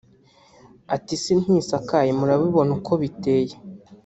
Ati “Isi ntisakaye murabibona uko biteye